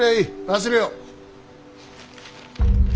忘れよう。